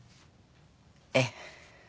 ええ。